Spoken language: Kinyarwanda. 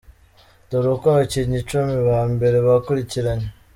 Dore uko abakinnyi icumi ba mbere bakurikiranye.